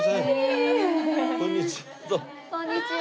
こんにちは！